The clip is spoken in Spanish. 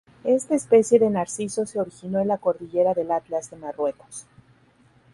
Esta especie de narciso se originó en la cordillera del Atlas de Marruecos.